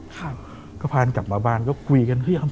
ก็ผ่านกลับมาบ้านก็คุยกัน